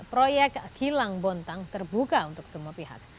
proyek kilang bontang terbuka untuk semua pihak